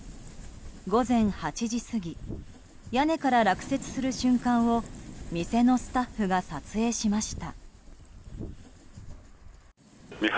午前８時過ぎ屋根から落雪する瞬間を店のスタッフが撮影しました。